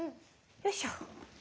よいしょ。